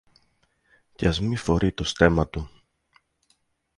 και ας μη φορεί το στέμμα του